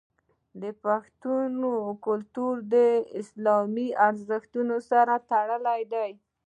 پښتون کلتور د اسلامي ارزښتونو سره تړلی دی.